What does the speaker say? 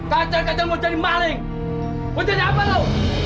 kecil kecil mau jadi maling mau jadi apa lo